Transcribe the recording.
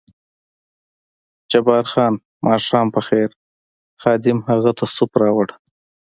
جبار خان: ماښام په خیر، خادم هغه ته سوپ راوړ.